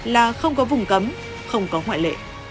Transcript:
là không có vùng cấm không có hoại lệ